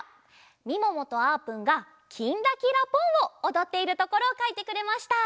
みももとあーぷんが「きんらきらぽん」をおどっているところをかいてくれました。